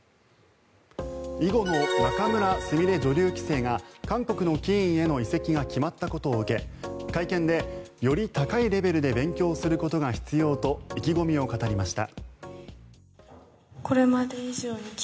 囲碁の仲邑菫女流棋聖が韓国の棋院への移籍が決まったことを受け会見で、より高いレベルで勉強することが必要と意気込みを語りました。